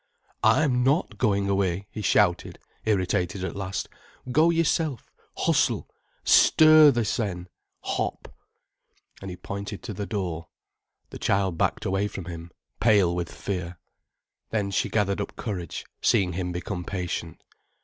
"I'm not going away," he shouted, irritated at last. "Go yourself—hustle—stir thysen—hop." And he pointed to the door. The child backed away from him, pale with fear. Then she gathered up courage, seeing him become patient.